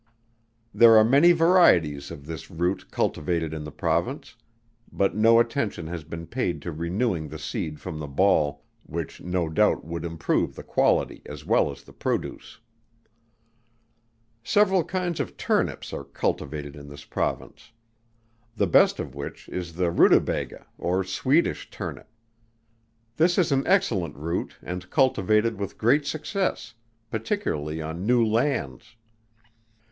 There are many varieties of this root cultivated in the Province; but no attention has been paid to renewing the seed from the ball, which no doubt would improve the quality as well as the produce. Several kinds of Turnips are cultivated in this Province; the best of which is the ruta baga, or Swedish turnip. This is an excellent root and cultivated with great success, particularly on new lands.